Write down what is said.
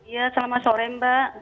ya selamat sore mbak